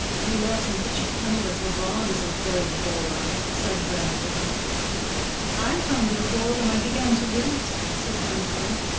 "Roulette in such a kennel as Leubronn is a horrid bore," said Grandcourt. "I found it a bore when I began to lose," said Gwendolen.